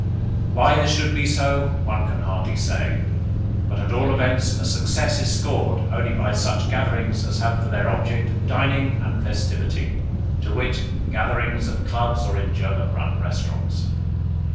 Why this should be so one could hardly say, but at all events a success is scored only by such gatherings as have for their object dining and festivity to wit, gatherings at clubs or in German run restaurants.